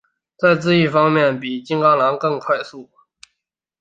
在自愈方面比起金钢狼更快速。